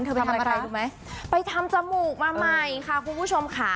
ไปทำอะไรรู้ไหมไปทำจมูกมาใหม่ค่ะคุณผู้ชมค่ะ